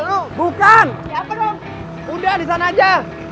udah disana aja